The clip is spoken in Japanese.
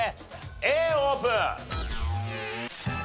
Ａオープン。